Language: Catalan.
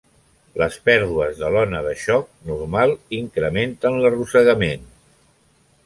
Les pèrdues de l'ona de xoc normal incrementen l'arrossegament.